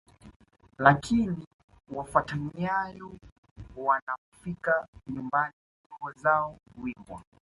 Lakini wafata nyayo wanapofika nyumbani nyimbo zao huimbwa